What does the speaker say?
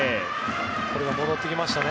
これが戻ってきましたね。